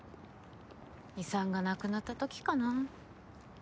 遺産がなくなった時かな。